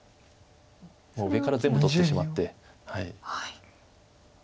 もう上から全部取ってしまって。